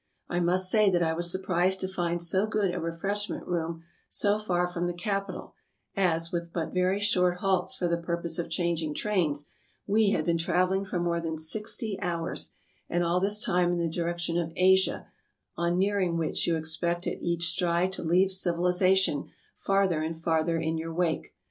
I must say that I was surprised to find so good a refreshment room so far from the capital, as, with but very short halts for the purpose of changing trains, we had been traveling for more than sixty hours, and all this time in the direction of Asia, on nearing which you ex pect at each stride to leave civilization farther and farther in your wake.